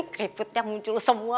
kripitnya muncul semua